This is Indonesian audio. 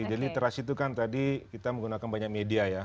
jadi literasi itu kan tadi kita menggunakan banyak media ya